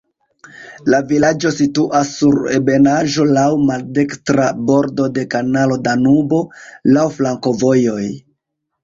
La vilaĝo situas sur ebenaĵo, laŭ maldekstra bordo de kanalo Danubo, laŭ flankovojoj.